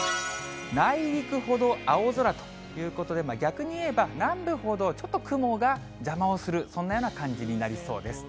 内陸ほど青空ということで、逆に言えば、南部ほどちょっと雲が邪魔をする、そんなような感じになりそうです。